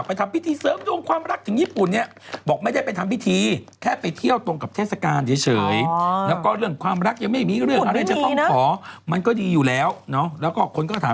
ก็ใช่แสสิแม่แมวท้องสามเดือนเอ่อช่วงหน้าช่วงหน้า